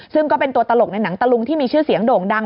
ซึ่งก็เป็นตัวตลกในหนังตะลุงที่มีชื่อเสียงโด่งดัง